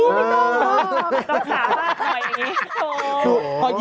ต้องสามารถทำอย่างนี้